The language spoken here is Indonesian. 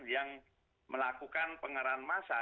yang melakukan pengaruhan massa